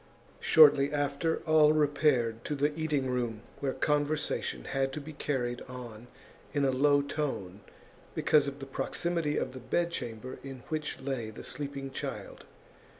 Shortly after, all repaired to the eating room, where conversation had to be carried on in a low tone because of the proximity of the bedchamber in which lay the sleeping child.